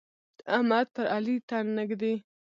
احمد پر علي تن نه ږدي.